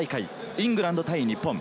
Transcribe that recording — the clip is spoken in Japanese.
イングランド対日本。